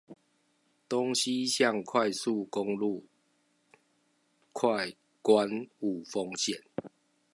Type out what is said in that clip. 東西向快速公路快官霧峰線